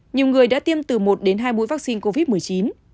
nhiều người đã tiêm từ một đến hai mũi vaccine covid một mươi chín